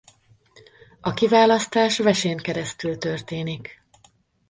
A kiválasztás vesén keresztül történik.